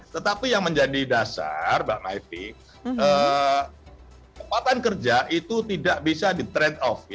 tetapi yang menjadi dasar mbak maipi kekuatan kerja itu tidak bisa di trade off